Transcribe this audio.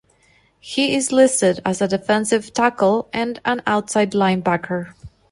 He is listed as a Defensive Tackle and an Outside Linebacker.